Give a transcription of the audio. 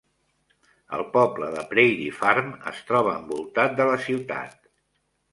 El poble de Prairie Farm es troba envoltat de la ciutat.